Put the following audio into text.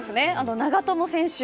長友選手。